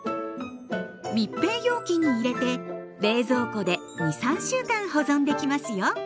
密閉容器に入れて冷蔵庫で２３週間保存できますよ。